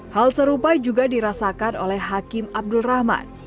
hal serupa juga dirasakan oleh hakim abdul rahman